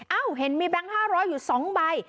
เห็นมีแบงค์๕๐๐อยู่๒ใบ